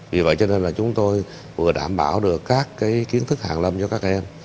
vì vậy cho nên là chúng tôi vừa đảm bảo được các kiến thức hàng lâm cho các em